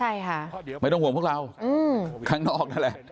ใช่ค่ะไม่ต้องห่วงพวกเราข้างนอกนั่นแหละ